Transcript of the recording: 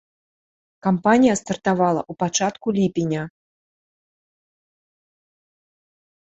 Кампанія стартавала ў пачатку ліпеня.